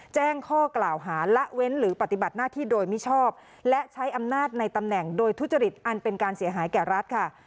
แจ้งข้อกล่าวหาละเว้นหรือปฏิบัติหน้าที่โดยมิชอบและใช้อำนาจในตำแหน่งโดยทุจริตอันเป็นการเสียหายแก่รัฐค่ะ